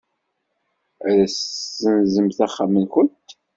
Ad as-tessenzemt axxam-nwent?